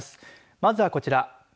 まずは、こちら。